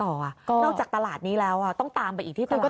นอกจากตลาดนี้แล้วต้องตามไปอีกที่ตลาด